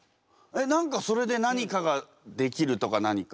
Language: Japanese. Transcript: えっそれで何かができるとか何か。